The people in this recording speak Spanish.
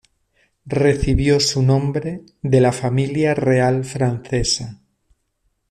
Recibió su nombre de la familia real francesa.